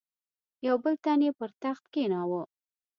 یو بل تن یې پر تخت کښېناوه.